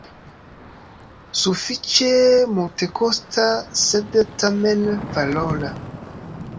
Sufiĉe multekosta sed tamen valora.